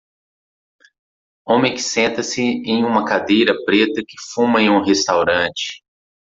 Homem que senta-se em uma cadeira preta que fuma em um restaurante.